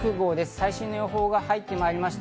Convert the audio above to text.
最新の予報が入ってまいりました。